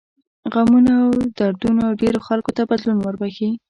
غمونه او دردونه ډېرو خلکو ته بدلون وربښي.